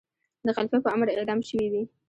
د خلیفه په امر اعدام شوی وي.